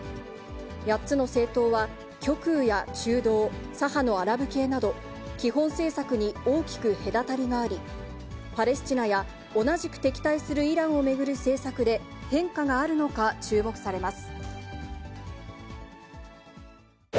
８つの政党は、極右や中道、左派のアラブ系など、基本政策に大きく隔たりがあり、パレスチナや、同じく敵対するイランを巡る政策で、変化があるのか注目されます。